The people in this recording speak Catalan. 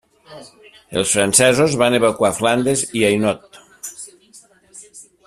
Els francesos van evacuar Flandes i Hainaut.